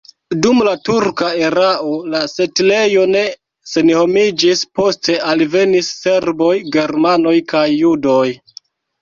Dum la turka erao la setlejo ne senhomiĝis, poste alvenis serboj, germanoj kaj judoj.